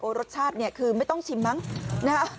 รสชาติเนี่ยคือไม่ต้องชิมมั้งนะฮะ